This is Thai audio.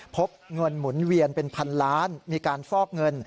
พบเงินหมุนเวียนเป็นพันล้านมีการฟอกเงิน